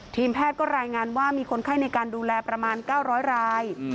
ทีมแพทย์ก็รายงานว่ามีคนไข้ในการดูแลประมาณ๙๐๐ราย